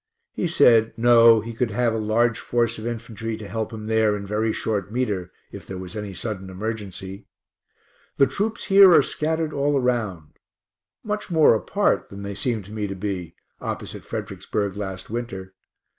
He said, No, he could have a large force of infantry to help him there, in very short metre, if there was any sudden emergency. The troops here are scattered all around, much more apart than they seemed to me to be opposite Fredericksburg last winter.